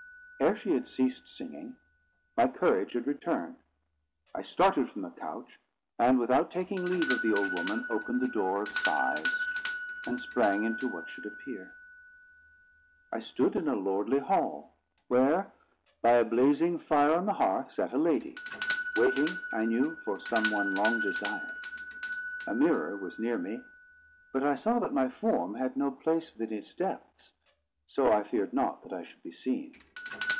Ere she had ceased singing, my courage had returned. I started from the couch, and, without taking leave of the old woman, opened the door of Sighs, and sprang into what should appear. I stood in a lordly hall, where, by a blazing fire on the hearth, sat a lady, waiting, I knew, for some one long desired. A mirror was near me, but I saw that my form had no place within its depths, so I feared not that I should be seen.